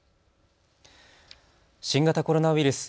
新型コロナウイルス。